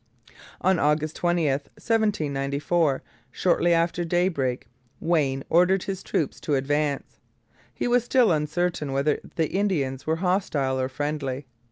On August 20, 1794, shortly after daybreak, Wayne ordered his troops to advance. He was still uncertain whether the Indians were hostile or friendly.